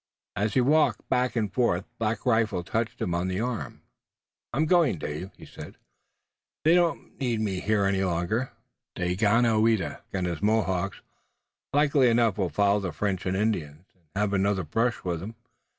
As he walked back and forth Black Rifle touched him on the arm. "I'm going, Dave," he said. "They don't need me here any longer. Daganoweda and his Mohawks, likely enough, will follow the French and Indians, and have another brush with 'em.